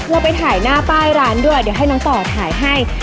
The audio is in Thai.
เราไปถ่ายหน้าป้ายร้านด้วยเดี๋ยวให้น้องต่อถ่ายให้